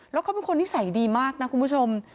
แล้วเขาเป็นคนนิสัยดีมากนะคุณผู้ชม